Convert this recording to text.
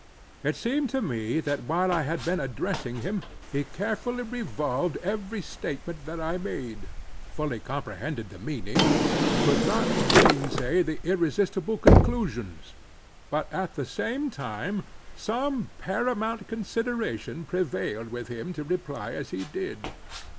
It seemed to me that while I had been addressing him, he carefully revolved every statement that I made; fully comprehended the meaning; could not gainsay the irresistible conclusions; but, at the same time, some paramount consideration prevailed with him to reply as he did.